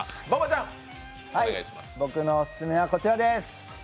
僕のオススメはこちらです。